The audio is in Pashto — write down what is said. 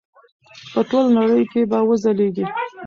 په ټوله نړۍ کې به وځلیږي.